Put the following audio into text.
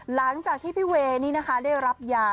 หลังจากที่พี่เวย์นี่นะคะได้รับยา